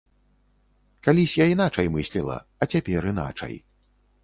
Калісь я іначай мысліла, а цяпер іначай.